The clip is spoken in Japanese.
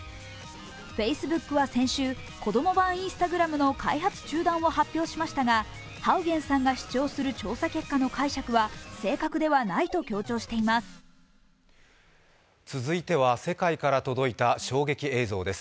フェイスブックは先週、子供版Ｉｎｓｔａｇｒａｍの開発中断を発表しましたがハウゲンさんが主張する調査結果の解釈は正確ではないと強調しています。